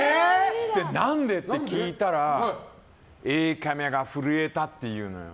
何で？って聞いたらＡカメが震えたっていうの。